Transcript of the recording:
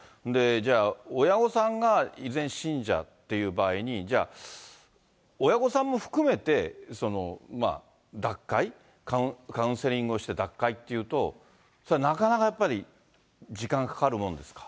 じゃあ、親御さんが依然信者っていう場合に、じゃあ、親御さんも含めて脱会、カウンセリングをして脱会っていうと、それはなかなかやっぱり時間かかるもんですか？